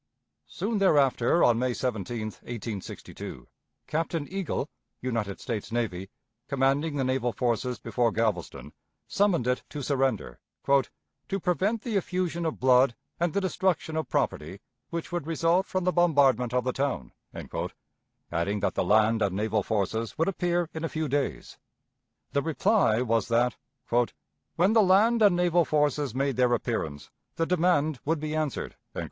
Soon thereafter, on May 17, 1862, Captain Eagle, United States Navy, commanding the naval forces before Galveston, summoned it to surrender, "to prevent the effusion of blood and the destruction of property which would result from the bombardment of the town," adding that the land and naval forces would appear in a few days. The reply was that, "when the land and naval forces made their appearance, the demand would be answered."